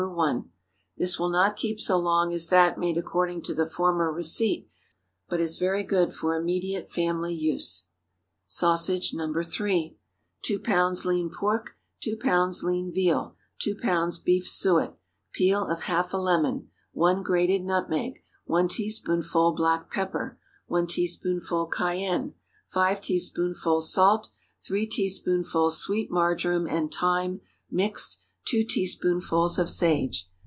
1. This will not keep so long as that made according to the former receipt, but is very good for immediate family use. SAUSAGE (No. 3.) 2 lbs. lean pork. 2 lbs. lean veal. 2 lbs. beef suet. Peel of half a lemon. 1 grated nutmeg. 1 teaspoonful black pepper. 1 teaspoonful cayenne. 5 teaspoonfuls salt. 3 teaspoonfuls sweet marjoram and thyme, mixed. 2 teaspoonfuls of sage.